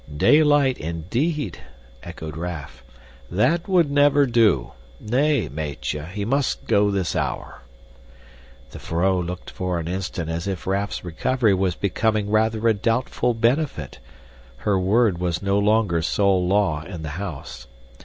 "Daylight, indeed!" echoed Raff. "That would never do. Nay, Meitje, he must go this hour." The vrouw looked for an instant as if Raff's recovery was becoming rather a doubtful benefit; her word was no longer sole law in the house.